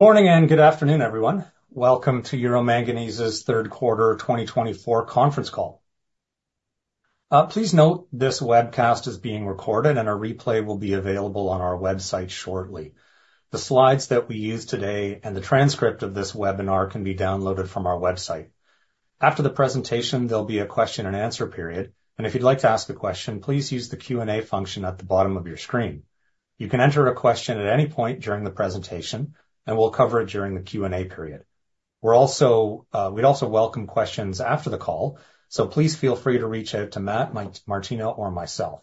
Morning and good afternoon, everyone. Welcome to Euro Manganese's third quarter of 2024 conference call. Please note this webcast is being recorded, and a replay will be available on our website shortly. The slides that we use today and the transcript of this webinar can be downloaded from our website. After the presentation, there'll be a question and answer period, and if you'd like to ask a question, please use the Q&A function at the bottom of your screen. You can enter a question at any point during the presentation, and we'll cover it during the Q&A period. We're also, we'd also welcome questions after the call, so please feel free to reach out to Matt, Martin, Martina, or myself.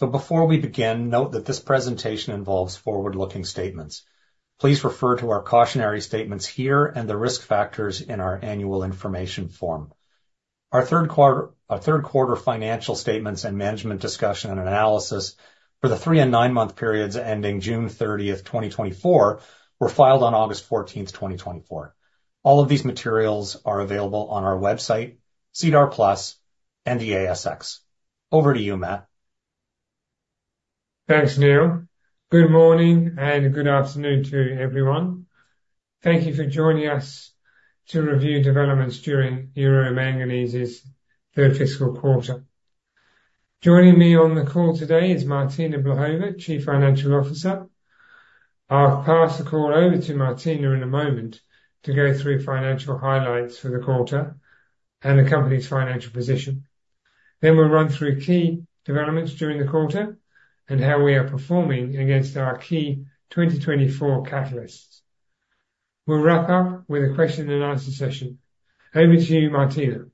Before we begin, note that this presentation involves forward-looking statements. Please refer to our cautionary statements here and the risk factors in our Annual Information Form. Our third quarter, our third quarter financial statements and Management Discussion and Analysis for the three and nine-month periods ending June 30, 2024, were filed on August 14, 2024. All of these materials are available on our website, SEDAR+ and the ASX. Over to you, Matt. Thanks, Neil. Good morning and good afternoon to everyone. Thank you for joining us to review developments during Euro Manganese's third fiscal quarter. Joining me on the call today is Martina Blahova, Chief Financial Officer. I'll pass the call over to Martina in a moment to go through financial highlights for the quarter and the company's financial position. Then we'll run through key developments during the quarter and how we are performing against our key 2024 catalysts. We'll wrap up with a question and answer session. Over to you, Martina.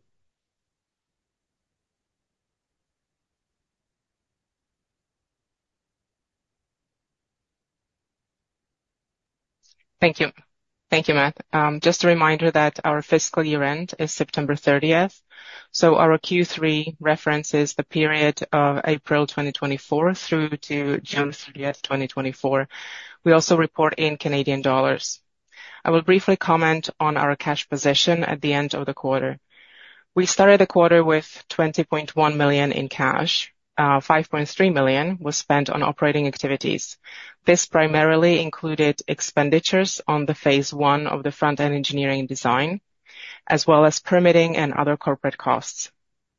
Thank you. Thank you, Matt. Just a reminder that our fiscal year end is September 30, so our Q3 references the period of April 2024 through to June 30, 2024. We also report in Canadian dollars. I will briefly comment on our cash position at the end of the quarter. We started the quarter with 20.1 million in cash. Five point three million was spent on operating activities. This primarily included expenditures on the phase one of the front-end engineering design, as well as permitting and other corporate costs.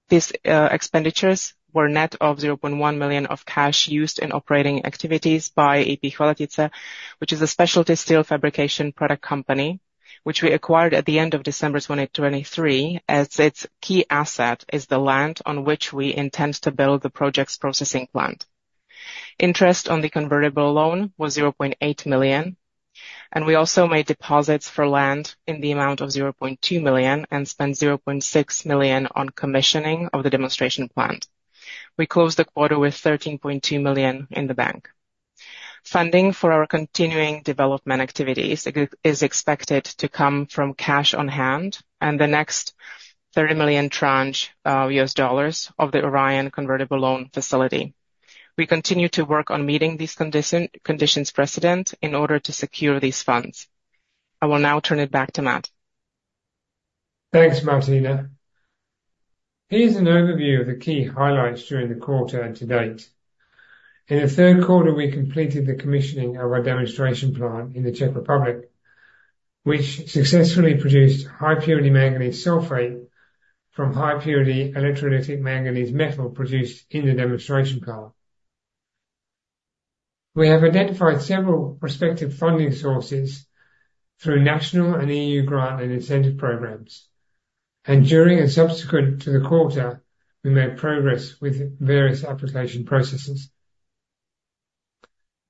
These expenditures were net of 0.1 million of cash used in operating activities by EP Chvaletice, which is a specialty steel fabrication product company, which we acquired at the end of December 2023, as its key asset is the land on which we intend to build the project's processing plant. Interest on the convertible loan was 0.8 million, and we also made deposits for land in the amount of 0.2 million and spent 0.6 million on commissioning of the demonstration plant. We closed the quarter with 13.2 million in the bank. Funding for our continuing development activities is expected to come from cash on hand and the next $30 million tranche U.S. dollars of the Orion convertible loan facility. We continue to work on meeting these conditions precedent in order to secure these funds. I will now turn it back to Matt. Thanks, Martina. Here's an overview of the key highlights during the quarter and to date. In the third quarter, we completed the commissioning of our demonstration plant in the Czech Republic, which successfully produced high purity manganese sulfate from high purity electrolytic manganese metal produced in the demonstration plant. We have identified several prospective funding sources through national and EU grant and incentive programs, and during and subsequent to the quarter, we made progress with various application processes.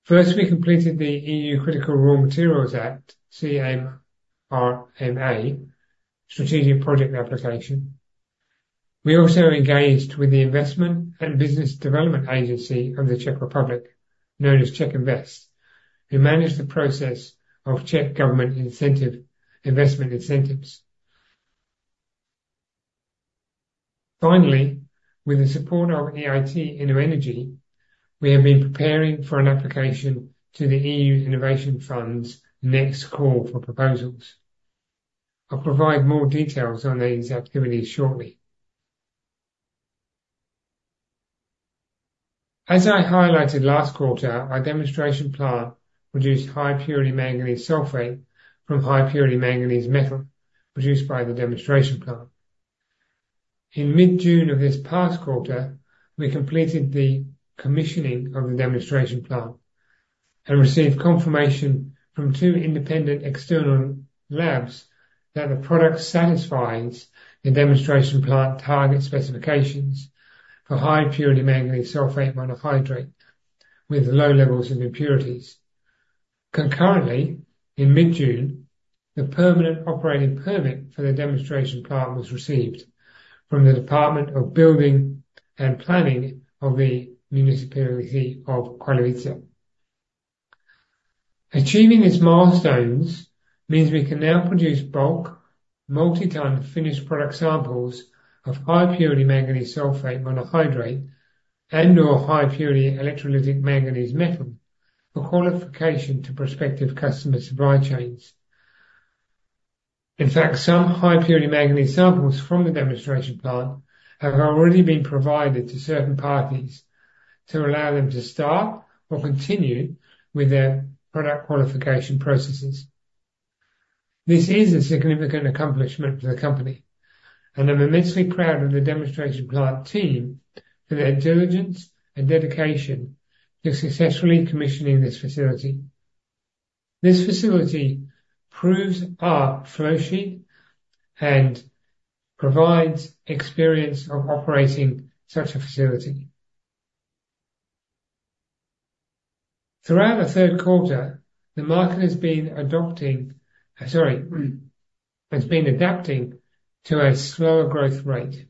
First, we completed the EU Critical Raw Materials Act, CRMA, Strategic Project application. We also engaged with the Investment and Business Development Agency of the Czech Republic, known as CzechInvest, who managed the process of Czech government incentive, investment incentives. Finally, with the support of EIT InnoEnergy, we have been preparing for an application to the EU Innovation Fund's next call for proposals. I'll provide more details on these activities shortly. As I highlighted last quarter, our demonstration plant produced high-purity manganese sulfate from high-purity manganese metal produced by the demonstration plant. In mid-June of this past quarter, we completed the commissioning of the demonstration plant and received confirmation from two independent external labs that the product satisfies the demonstration plant target specifications for high-purity manganese sulfate monohydrate with low levels of impurities. Concurrently, in mid-June, the permanent operating permit for the demonstration plant was received from the Department of Building and Planning of the Municipality of Chvaletice. Achieving its milestones means we can now produce bulk, multi-ton finished product samples of high-purity manganese sulfate monohydrate and/or high-purity electrolytic manganese metal for qualification to prospective customer supply chains. In fact, some high-purity manganese samples from the demonstration plant have already been provided to certain parties to allow them to start or continue with their product qualification processes. This is a significant accomplishment for the company, and I'm immensely proud of the demonstration plant team for their diligence and dedication to successfully commissioning this facility. This facility proves our flow sheet and provides experience of operating such a facility. Throughout the third quarter, the market has been adapting to a slower growth rate.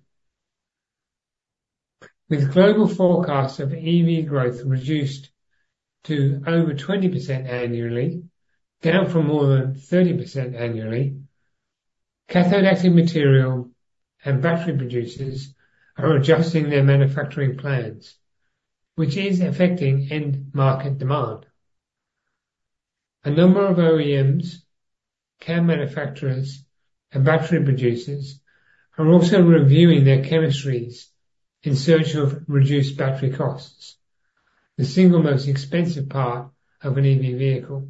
With global forecasts of EV growth reduced to over 20% annually, down from more than 30% annually, cathode active material and battery producers are adjusting their manufacturing plans, which is affecting end market demand. A number of OEMs, CAM manufacturers, and battery producers are also reviewing their chemistries in search of reduced battery costs, the single most expensive part of an EV vehicle.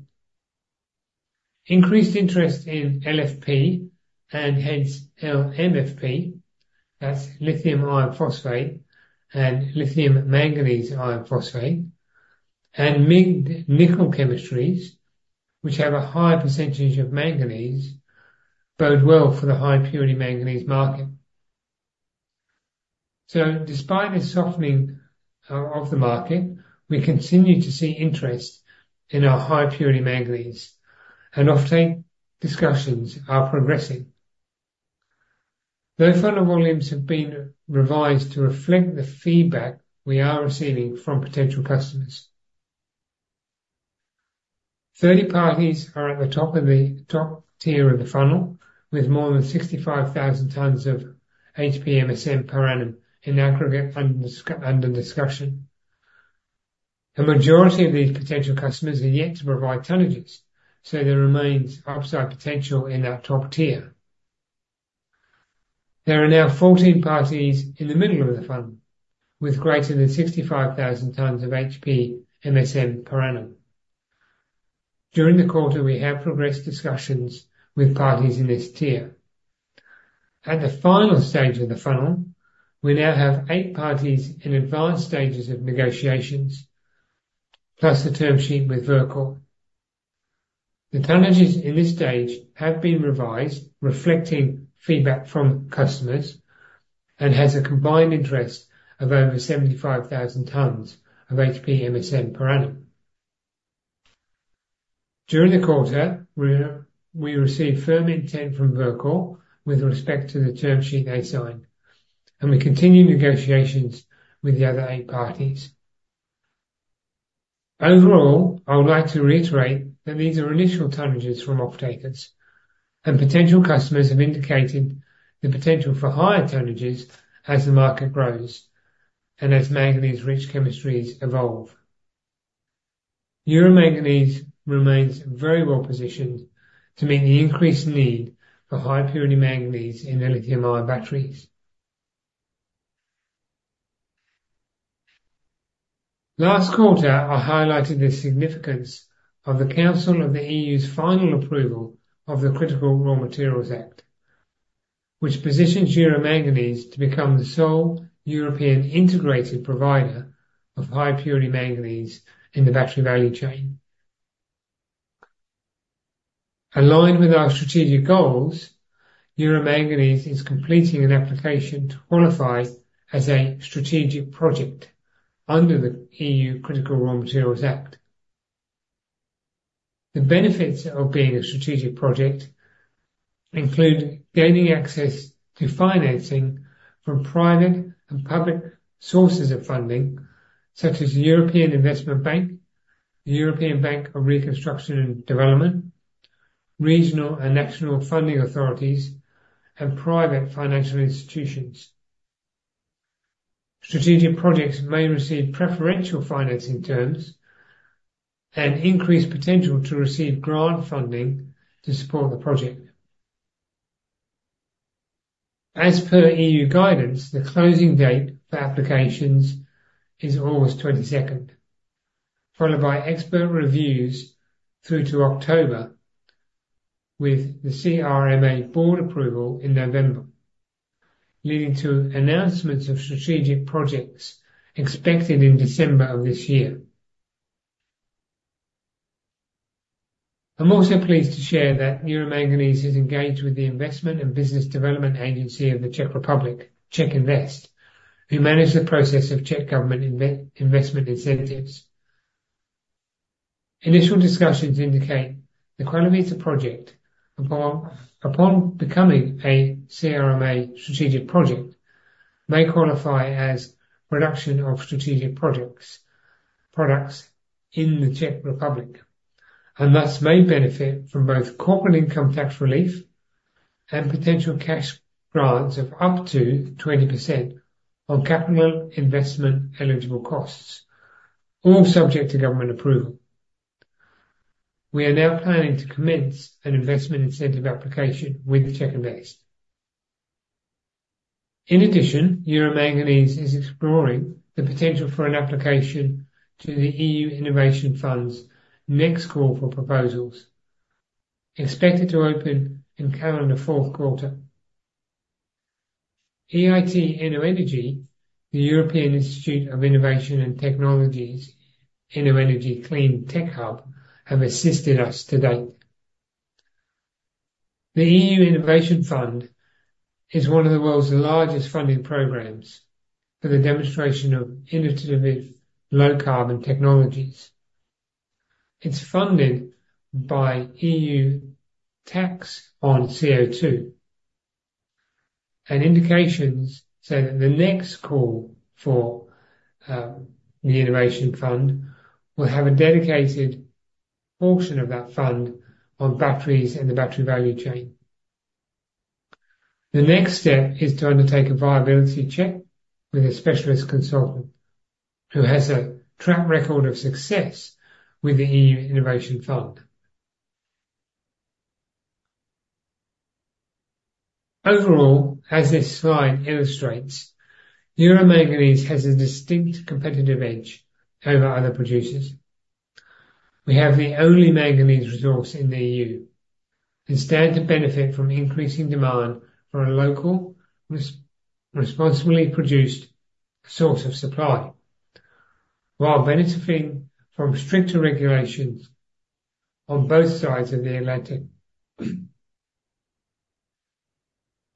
Increased interest in LFP and hence MFP, that's lithium iron phosphate and lithium manganese iron phosphate, and nickel chemistries, which have a high percentage of manganese, bode well for the high purity manganese market. So despite the softening of the market, we continue to see interest in our high purity manganese, and offtake discussions are progressing. The funnel volumes have been revised to reflect the feedback we are receiving from potential customers. 30 parties are at the top of the top tier of the funnel, with more than 65,000 tons of HPMSM per annum in aggregate under discussion. The majority of these potential customers are yet to provide tonnages, so there remains upside potential in our top tier. There are now 14 parties in the middle of the funnel, with greater than 65,000 tons of HPMSM per annum. During the quarter, we have progressed discussions with parties in this tier. At the final stage of the funnel, we now have 8 parties in advanced stages of negotiations, plus a term sheet with Verkor. The tonnages in this stage have been revised, reflecting feedback from customers, and has a combined interest of over 75,000 tons of HPMSM per annum. During the quarter, we received firm intent from Verkor with respect to the term sheet they signed, and we continue negotiations with the other 8 parties. Overall, I would like to reiterate that these are initial tonnages from offtakers and potential customers have indicated the potential for higher tonnages as the market grows and as manganese-rich chemistries evolve. Euro Manganese remains very well positioned to meet the increased need for high purity manganese in lithium-ion batteries. Last quarter, I highlighted the significance of the Council of the EU's final approval of the Critical Raw Materials Act, which positions Euro Manganese to become the sole European integrated provider of high purity manganese in the battery value chain. Aligned with our strategic goals, Euro Manganese is completing an application to qualify as a strategic project under the EU Critical Raw Materials Act. The benefits of being a strategic project include gaining access to financing from private and public sources of funding, such as the European Investment Bank, the European Bank for Reconstruction and Development, regional and national funding authorities, and private financial institutions. Strategic projects may receive preferential financing terms and increased potential to receive grant funding to support the project. As per EU guidance, the closing date for applications is August 22nd, followed by expert reviews through to October, with the CRMA board approval in November, leading to announcements of strategic projects expected in December of this year. I'm also pleased to share that Euro Manganese is engaged with the Investment and Business Development Agency of the Czech Republic, CzechInvest, who manage the process of Czech government investment incentives. Initial discussions indicate the Chvaletice project, upon becoming a CRMA strategic project, may qualify as production of strategic projects, products in the Czech Republic, and thus may benefit from both corporate income tax relief and potential cash grants of up to 20% on capital investment eligible costs, all subject to government approval. We are now planning to commence an investment incentive application with CzechInvest. In addition, Euro Manganese is exploring the potential for an application to the EU Innovation Fund's next call for proposals, expected to open in calendar fourth quarter. EIT InnoEnergy, the European Institute of Innovation and Technology, InnoEnergy Clean Tech Hub, have assisted us to date. The EU Innovation Fund is one of the world's largest funding programs for the demonstration of innovative low-carbon technologies. It's funded by EU tax on CO2, and indications say that the next call for, the innovation fund will have a dedicated portion of that fund on batteries and the battery value chain. The next step is to undertake a viability check with a specialist consultant who has a track record of success with the EU Innovation Fund. Overall, as this slide illustrates, Euro Manganese has a distinct competitive edge over other producers. We have the only manganese resource in the EU and stand to benefit from increasing demand for a local, responsibly produced source of supply, while benefiting from stricter regulations on both sides of the Atlantic.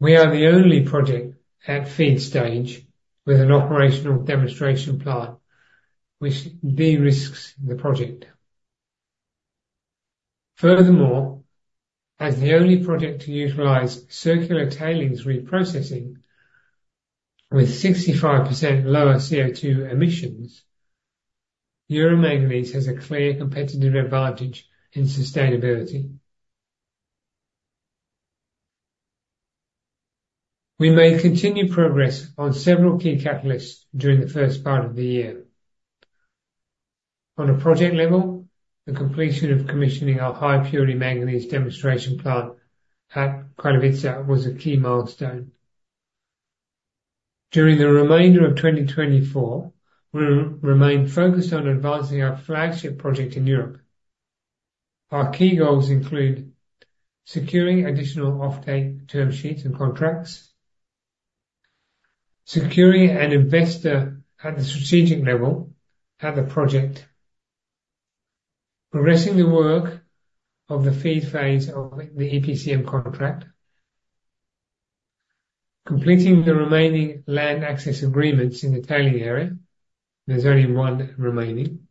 We are the only project at FEED stage with an operational demonstration plant, which de-risks the project. Furthermore, as the only project to utilize circular tailings reprocessing with 65% lower CO2 emissions, Euro Manganese has a clear competitive advantage in sustainability. We made continued progress on several key catalysts during the first part of the year. On a project level, the completion of commissioning our high-purity manganese demonstration plant at Chvaletice was a key milestone. During the remainder of 2024, we will remain focused on advancing our flagship project in Europe. Our key goals include: securing additional off-take term sheets and contracts, securing an investor at the strategic level at the project, progressing the work of the FEED phase of the EPCM contract, completing the remaining land access agreements in the tailing area. There's only one remaining.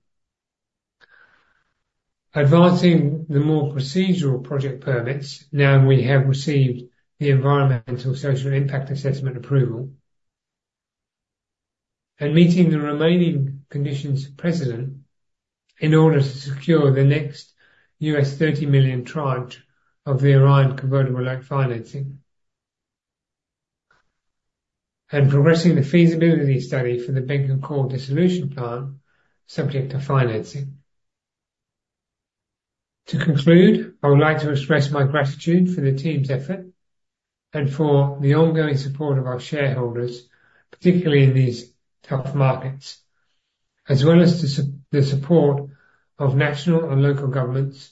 Advancing the more procedural project permits now we have received the Environmental and Social Impact Assessment approval. And meeting the remaining conditions precedent in order to secure the next $30 million tranche of the Orion convertible loan financing. And progressing the feasibility study for the Bécancour dissolution plant, subject to financing. To conclude, I would like to express my gratitude for the team's effort and for the ongoing support of our shareholders, particularly in these tough markets, as well as the support of national and local governments,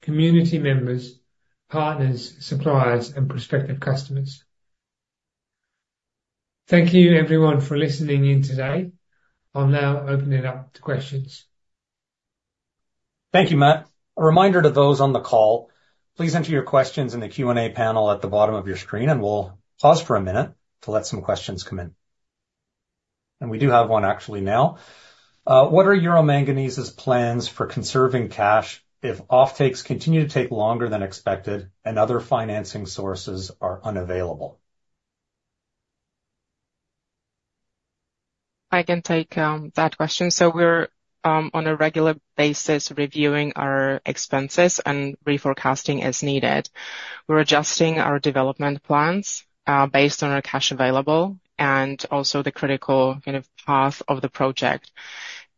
community members, partners, suppliers, and prospective customers. Thank you, everyone, for listening in today. I'll now open it up to questions. Thank you, Matt. A reminder to those on the call, please enter your questions in the Q&A panel at the bottom of your screen, and we'll pause for a minute to let some questions come in. We do have one actually now. What are Euro Manganese's plans for conserving cash if off-takes continue to take longer than expected and other financing sources are unavailable? I can take that question. So we're on a regular basis reviewing our expenses and reforecasting as needed. We're adjusting our development plans based on our cash available and also the critical path of the project.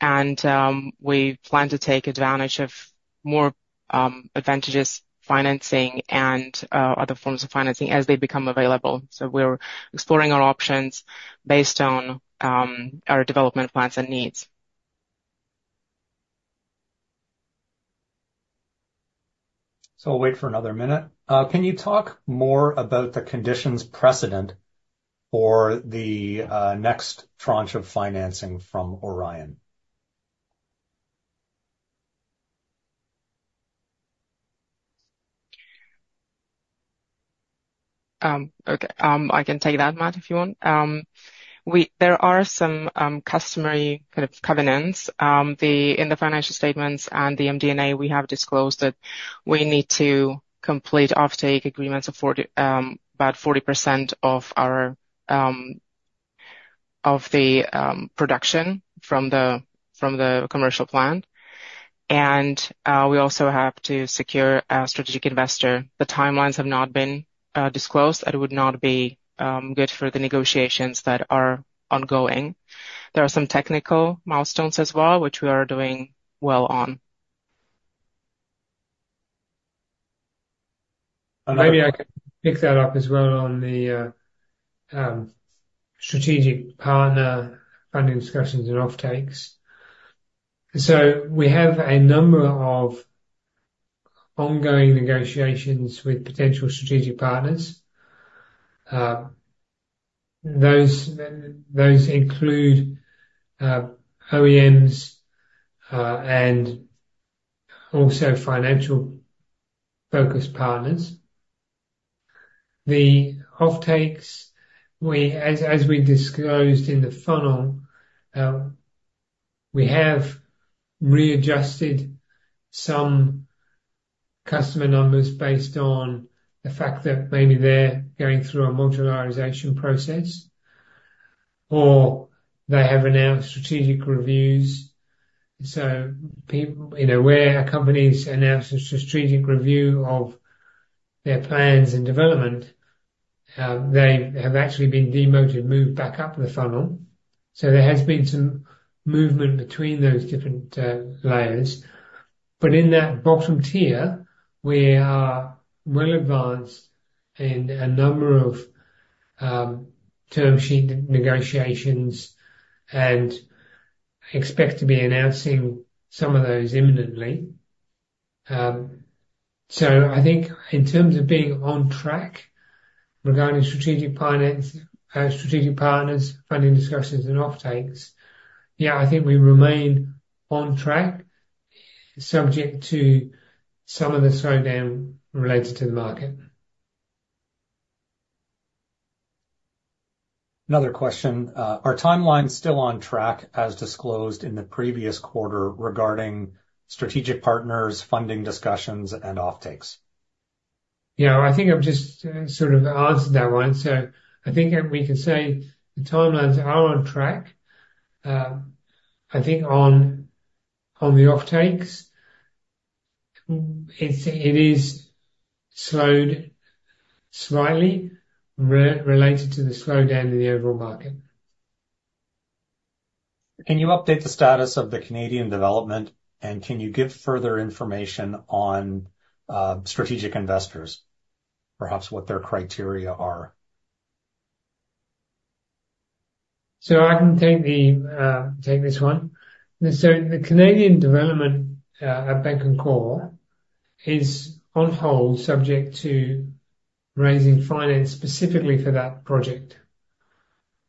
We plan to take advantage of more advantages, financing and other forms of financing as they become available. So we're exploring our options based on our development plans and needs. I'll wait for another minute. Can you talk more about the conditions precedent for the next tranche of financing from Orion? Okay. I can take that, Matt, if you want. We, there are some customary kind of covenants. In the financial statements and the MD&A, we have disclosed that we need to complete offtake agreements of 40, about 40% of our, of the production from the, from the commercial plant... and we also have to secure a strategic investor. The timelines have not been disclosed, and it would not be good for the negotiations that are ongoing. There are some technical milestones as well, which we are doing well on. Maybe I can pick that up as well on the strategic partner funding discussions and offtakes. So we have a number of ongoing negotiations with potential strategic partners. Those include OEMs and also financial-focused partners. The offtakes, as we disclosed in the funnel, we have readjusted some customer numbers based on the fact that maybe they're going through a modularization process, or they have announced strategic reviews. So you know, where a company's announced a strategic review of their plans and development, they have actually been demoted, moved back up the funnel. So there has been some movement between those different layers. But in that bottom tier, we are well advanced in a number of term sheet negotiations, and expect to be announcing some of those imminently. So, I think in terms of being on track regarding strategic partners, funding discussions and offtakes, yeah, I think we remain on track, subject to some of the slowdown related to the market. Another question. Are timelines still on track, as disclosed in the previous quarter, regarding strategic partners, funding discussions and offtakes? Yeah, I think I've just sort of answered that one. So I think we can say the timelines are on track. I think on the offtakes, it is slowed slightly related to the slowdown in the overall market. Can you update the status of the Canadian development? And can you give further information on, strategic investors, perhaps what their criteria are? So I can take this one. So the Canadian development at Bécancour is on hold, subject to raising finance specifically for that project.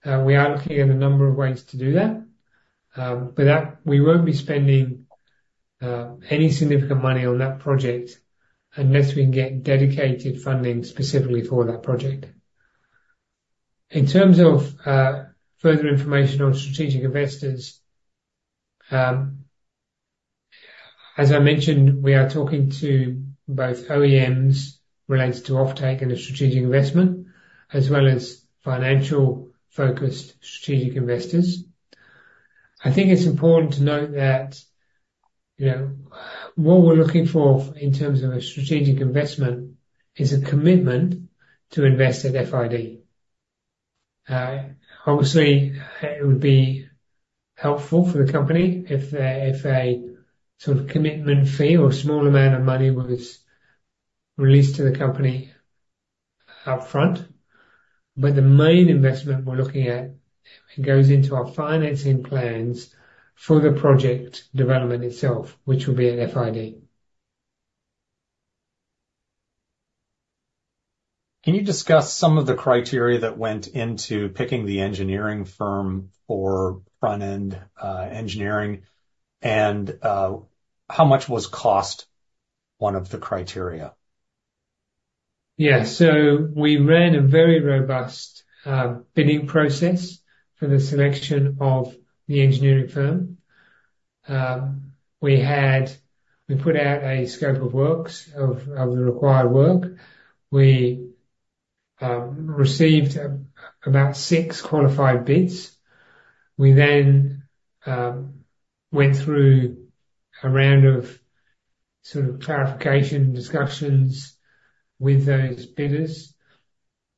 We are looking at a number of ways to do that. But that we won't be spending any significant money on that project unless we can get dedicated funding specifically for that project. In terms of further information on strategic investors, as I mentioned, we are talking to both OEMs related to offtake and a strategic investment, as well as financial-focused strategic investors. I think it's important to note that, you know, what we're looking for in terms of a strategic investment is a commitment to invest at FID. Obviously, it would be helpful for the company if a sort of commitment fee or small amount of money was released to the company upfront, but the main investment we're looking at goes into our financing plans for the project development itself, which will be at FID. Can you discuss some of the criteria that went into picking the engineering firm for front-end engineering? How much was cost one of the criteria? Yeah. So we ran a very robust bidding process for the selection of the engineering firm. We put out a scope of works, of the required work. We received about six qualified bids. We then went through a round of sort of clarification discussions with those bidders.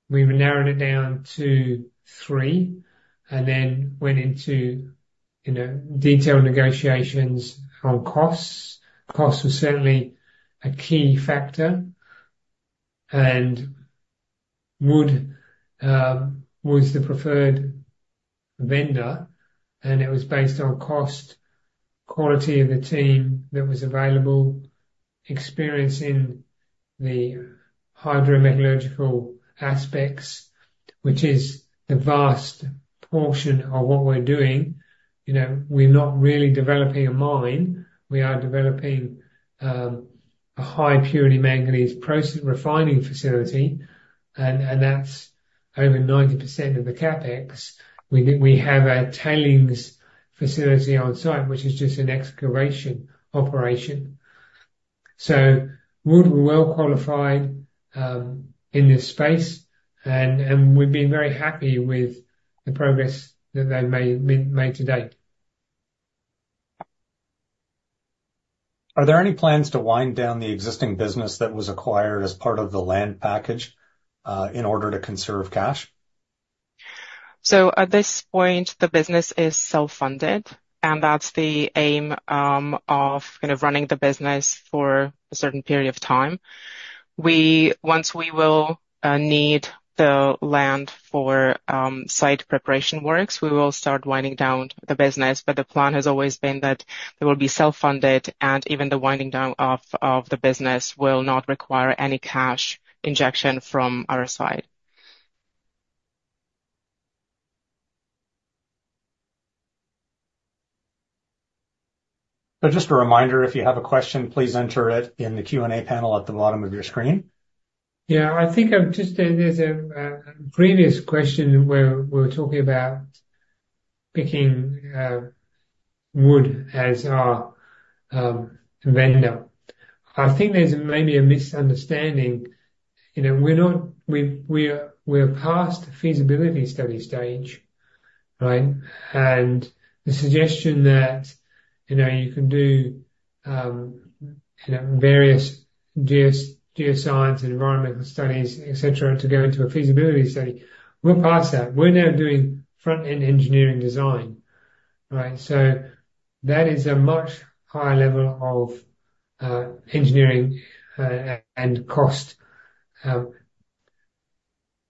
We narrowed it down to three and then went into, you know, detailed negotiations on costs. Cost was certainly a key factor, and Wood was the preferred vendor, and it was based on cost, quality of the team that was available, experience in the hydrometallurgical aspects, which is the vast portion of what we're doing. You know, we're not really developing a mine. We are developing a high-purity manganese process refining facility, and that's over 90% of the CapEx. We have a tailings facility on site, which is just an excavation operation. So Wood were well qualified in this space, and we've been very happy with the progress that they've made to date. Are there any plans to wind down the existing business that was acquired as part of the land package, in order to conserve cash? So at this point, the business is self-funded, and that's the aim of kind of running the business for a certain period of time. Once we will need the land for site preparation works, we will start winding down the business. But the plan has always been that they will be self-funded, and even the winding down of the business will not require any cash injection from our side. Just a reminder, if you have a question, please enter it in the Q&A panel at the bottom of your screen. Yeah, I think there's a previous question where we're talking about picking Wood as our vendor. I think there's maybe a misunderstanding. You know, we're not—we're past feasibility study stage, right? And the suggestion that, you know, you can do various geoscience and environmental studies, et cetera, to go into a feasibility study, we're past that. We're now doing front-end engineering design, right? So that is a much higher level of engineering and cost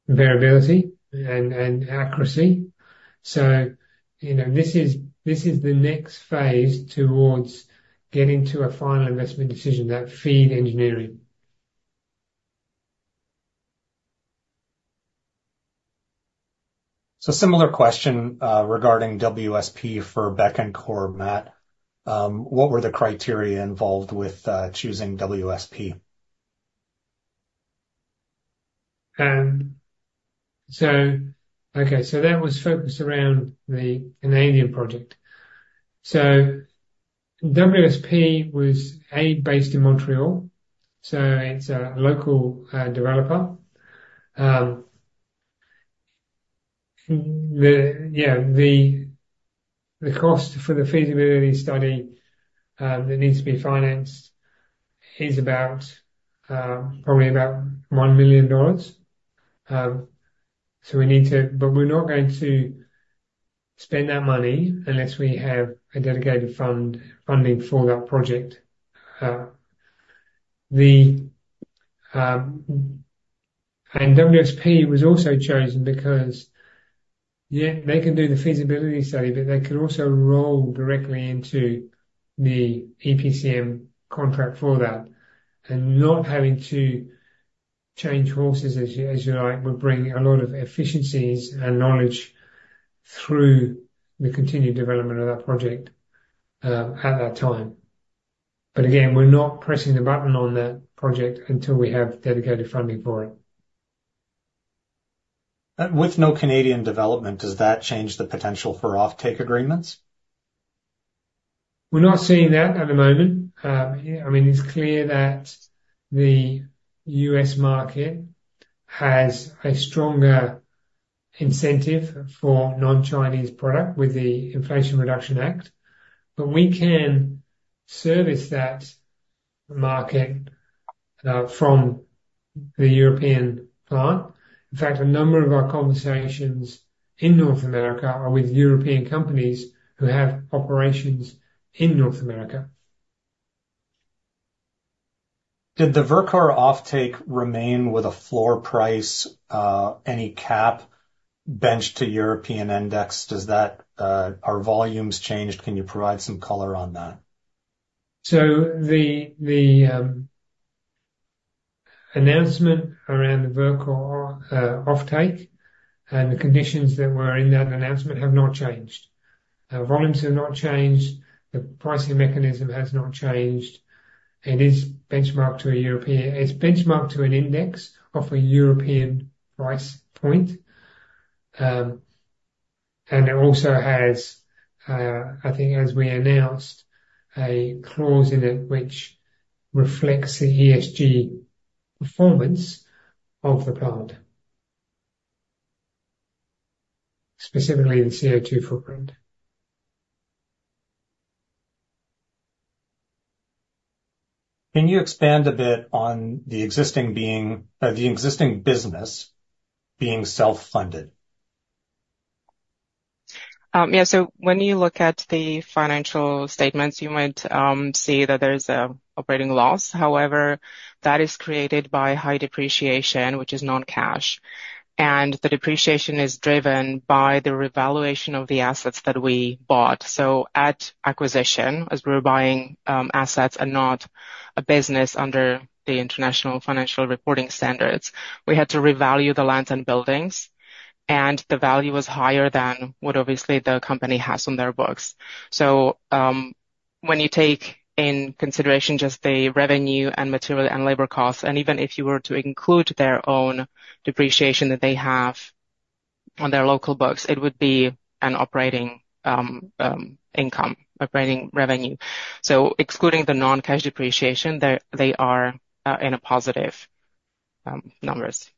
variability and accuracy. So, you know, this is the next phase towards getting to a final investment decision, that FEED engineering. So similar question regarding WSP for Bécancour, Matt. What were the criteria involved with choosing WSP? So okay, so that was focused around the Canadian project. So WSP was based in Montreal, so it's a local developer. The cost for the feasibility study that needs to be financed is about probably about 1 million dollars. So we need to, but we're not going to spend that money unless we have a dedicated funding for that project. And WSP was also chosen because, yeah, they can do the feasibility study, but they can also roll directly into the EPCM contract for that, and not having to change horses, as you like, would bring a lot of efficiencies and knowledge through the continued development of that project, at that time. But again, we're not pressing the button on that project until we have dedicated funding for it. With no Canadian development, does that change the potential for offtake agreements? We're not seeing that at the moment. I mean, it's clear that the U.S. market has a stronger incentive for non-Chinese product with the Inflation Reduction Act, but we can service that market from the European plant. In fact, a number of our conversations in North America are with European companies who have operations in North America. Did the Verkor offtake remain with a floor price, any cap benchmarked to European index? Does that? Are volumes changed? Can you provide some color on that? So the announcement around the Verkor offtake and the conditions that were in that announcement have not changed. Volumes have not changed, the pricing mechanism has not changed. It is benchmarked to an index of a European price point. And it also has, I think, as we announced, a clause in it, which reflects the ESG performance of the plant, specifically the CO2 footprint. Can you expand a bit on the existing business being self-funded? Yeah. So when you look at the financial statements, you might see that there's a operating loss. However, that is created by high depreciation, which is non-cash, and the depreciation is driven by the revaluation of the assets that we bought. So at acquisition, as we were buying assets and not a business under the international financial reporting standards, we had to revalue the lands and buildings, and the value was higher than what obviously the company has on their books. So when you take in consideration just the revenue and material and labor costs, and even if you were to include their own depreciation that they have on their local books, it would be an operating income, operating revenue. So excluding the non-cash depreciation, they, they are in a positive numbers.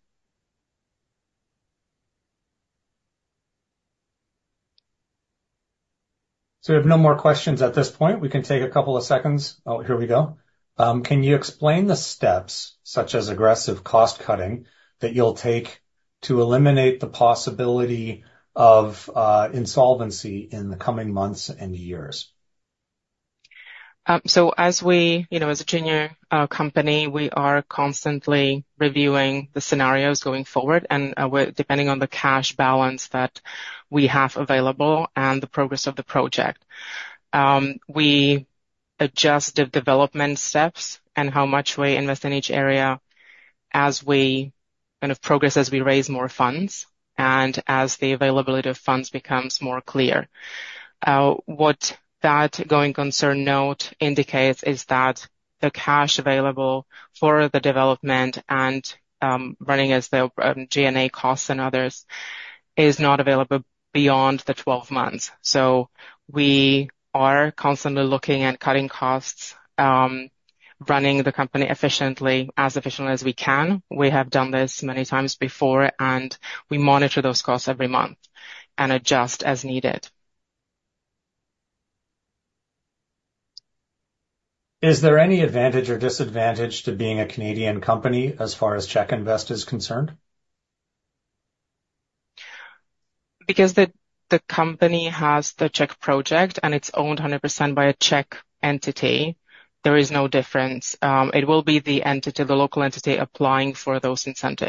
We have no more questions at this point. We can take a couple of seconds. Oh, here we go. Can you explain the steps, such as aggressive cost cutting, that you'll take to eliminate the possibility of insolvency in the coming months and years? So as we, you know, as a junior company, we are constantly reviewing the scenarios going forward, and we're depending on the cash balance that we have available and the progress of the project. We adjust the development steps and how much we invest in each area as we kind of progress, as we raise more funds, and as the availability of funds becomes more clear. What that going concern note indicates is that the cash available for the development and running the G&A costs and others is not available beyond the 12 months. So we are constantly looking at cutting costs, running the company efficiently, as efficiently as we can. We have done this many times before, and we monitor those costs every month and adjust as needed. Is there any advantage or disadvantage to being a Canadian company as far as CzechInvest is concerned? Because the company has the Czech project, and it's owned 100% by a Czech entity, there is no difference. It will be the entity, the local entity, applying for those incentives.